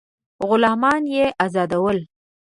غلامان یې آزادول.